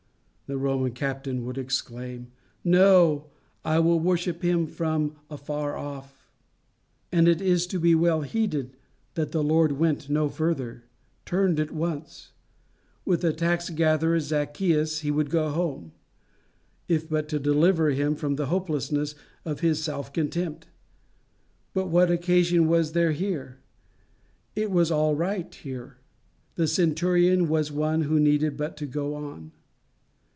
the Roman captain would exclaim. "No, I will worship from afar off." And it is to be well heeded that the Lord went no further turned at once. With the tax gatherer Zacchaeus he would go home, if but to deliver him from the hopelessness of his self contempt; but what occasion was there here? It was all right here. The centurion was one who needed but to go on.